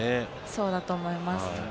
そうだと思います。